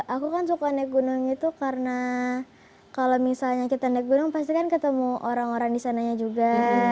aku kan suka naik gunung itu karena kalau misalnya kita naik gunung pasti kan ketemu orang orang di sananya juga